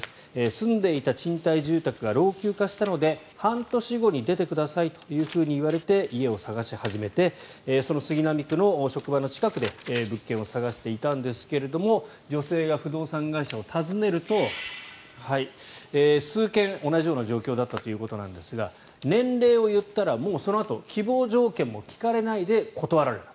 住んでいた賃貸住宅が老朽化したので半年後に出てくださいというふうに言われて家を探し始めてその杉並区の職場の近くで物件を探していたんですけれども女性が不動産会社を訪ねると数軒、同じような状況だったということですが年齢を言ったらもうそのあと希望条件も聞かれないで断られた。